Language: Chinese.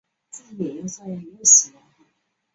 小紫果槭为槭树科槭属下的一个变种。